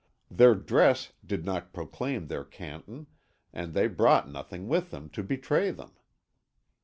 Their dress did not proclaim their canton, and they brought nothing with them to betray them.